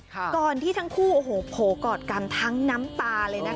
ค่ะก่อนที่ทั้งคู่โหเ฼าหกอดกันทั้งน้ำตาเลยนะคะ